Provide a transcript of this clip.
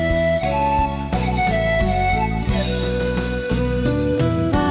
กลับมาเมื่อเวลาที่สุดท้าย